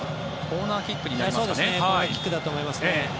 コーナーキックだと思いますね。